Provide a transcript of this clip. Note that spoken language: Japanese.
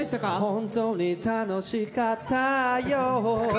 「ホントに楽しかったよ」